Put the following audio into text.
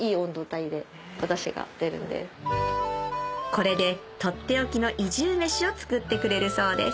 これで取って置きの移住飯を作ってくれるそうです